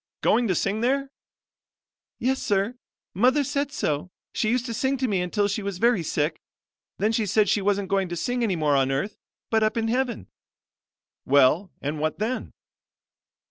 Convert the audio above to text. "Going to sing there?" "Yes, sir. Mother said so. She used to sing to me until she was very sick. Then she said she wasn't going to sing any more on earth, but up in heaven." "Well and what then?"